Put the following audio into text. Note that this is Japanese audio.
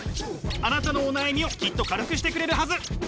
あなたのお悩みをきっと軽くしてくれるはず。